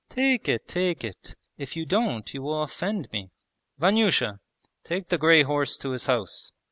'Take it, take it! If you don't you will offend me. Vanyusha! Take the grey horse to his house.'